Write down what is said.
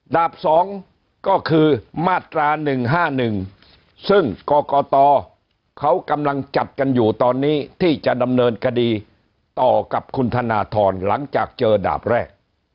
๒ก็คือมาตรา๑๕๑ซึ่งกรกตเขากำลังจัดกันอยู่ตอนนี้ที่จะดำเนินคดีต่อกับคุณธนทรหลังจากเจอดาบแรก